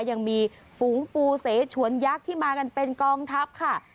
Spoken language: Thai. ยังมีฝูงปูเสฉวนยักษ์ที่มากันเป็นกองทัพค่ะ